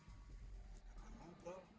gak mau bro